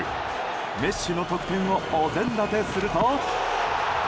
メッシの得点をお膳立てすると。